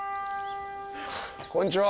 こんにちは。